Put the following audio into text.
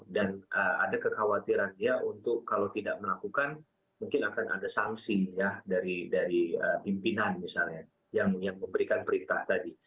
ada kekhawatiran dia untuk kalau tidak melakukan mungkin akan ada sanksi dari pimpinan misalnya yang memberikan perintah tadi